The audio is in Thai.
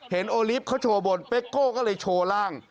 โอลิฟต์เขาโชว์บนเป๊กโก้ก็เลยโชว์ร่าง